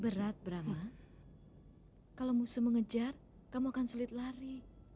berat brama kalau musuh mengejar kamu akan sulit lari